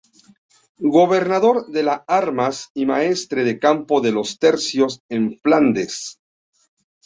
Gobernador de la Armas y Maestre de Campo de los Tercios en Flandes.